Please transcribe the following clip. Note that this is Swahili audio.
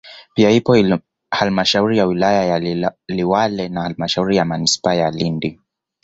Pia ipo halmashauri ya wilaya ya Liwale na halmashauri ya manispaa ya Lindi